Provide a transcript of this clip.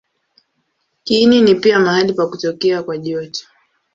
Kiini ni pia mahali pa kutokea kwa joto.